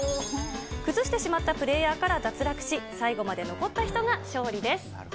崩してしまったプレーヤーから脱落し、最後まで残った人が勝利です。